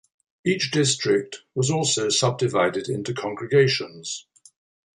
Each district was also subdivided into congregations.